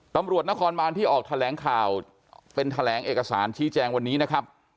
ตำรวจนครบานที่ออกแถลงข่าวเป็นแถลงเอกสารชี้แจงวันนี้นะครับ